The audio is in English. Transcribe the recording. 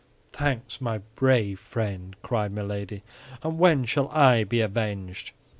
"Thanks, my brave friend!" cried Milady; "and when shall I be avenged?"